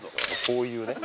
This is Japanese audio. こういうね。